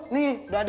nih udah ada nih